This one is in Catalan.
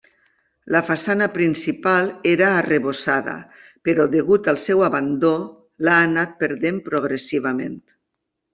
La façana principal era arrebossada però degut al seu abandó l'ha anat perdent progressivament.